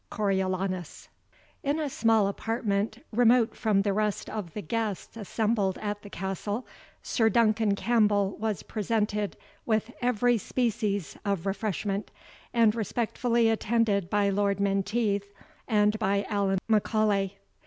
CORIOLANUS. In a small apartment, remote from the rest of the guests assembled at the castle, Sir Duncan Campbell was presented with every species of refreshment, and respectfully attended by Lord Menteith, and by Allan M'Aulay.